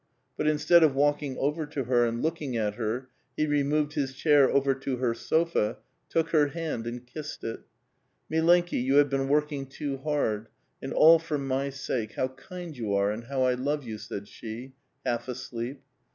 But instead of walking over to her and looking at her, he removed his chair over to her sofa, took her hand and kissed it. ^^ Milenki, you have been working too hard, and all for my sake ; how kind you are, and how I love you !" said she, half asleep.